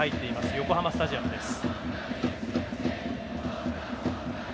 横浜スタジアムです。